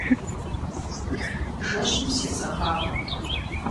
Жэщым сезэгъакъым.